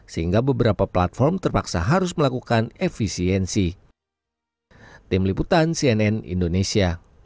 sehingga beberapa platform terpaksa harus melakukan efisiensi